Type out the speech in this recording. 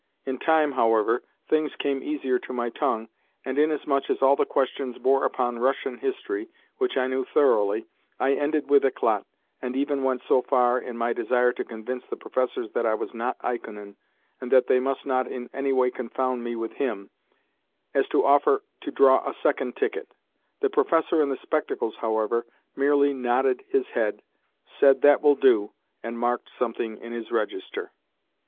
In time, however, things came easier to my tongue, and, inasmuch as all the questions bore upon Russian history (which I knew thoroughly), I ended with eclat, and even went so far, in my desire to convince the professors that I was not Ikonin and that they must not in anyway confound me with him, as to offer to draw a second ticket. The professor in the spectacles, however, merely nodded his head, said "That will do," and marked something in his register.